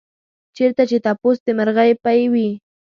چېرته چې تپوس د مرغۍ پۍ وي.